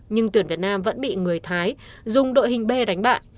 nhưng tuyển việt nam vẫn bị người thái dùng đội hình b đánh bại